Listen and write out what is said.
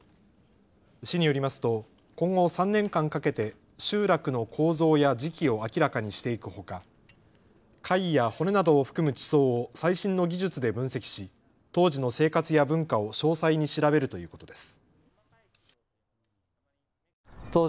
市によりますと今後３年間かけて集落の構造や時期を明らかにしていくほか、貝や骨などを含む地層を最新の技術で分析し当時の生活や文化を詳細に調べるということです。